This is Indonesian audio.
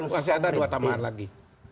masih ada dua tambahan lagi